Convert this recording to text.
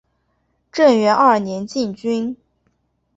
正元二年进军。